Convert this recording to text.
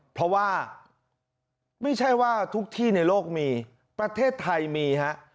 เพราะว่าไม่ใช่ว่าทุกที่ในโลกมีประเทศไทยมีฮะ